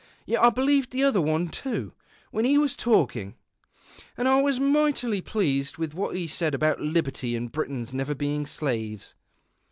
Yet I believed the other one, too, wiicn he was talk ing, and I was mightily pleased witii what he said about liberty and Britons never being slaves."